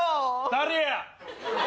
誰や！？